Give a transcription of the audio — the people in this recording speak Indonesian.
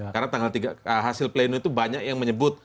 karena tanggal tiga hasil pleno itu banyak yang menyebut